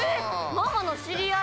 ⁉ママのしりあい？